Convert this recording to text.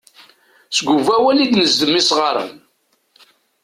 Seg Ubawal i d-nezdem isɣaren.